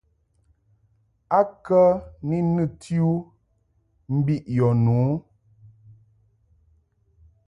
A kə ni nɨti u mbiʼ yɔ nu ?